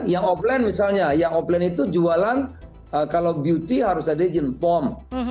yang offline misalnya yang offline itu jualan kalau beauty harus ada izin pom